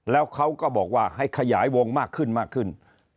แล้วเขาก็บอกว่าให้ขยายวงมากขึ้นมากขึ้น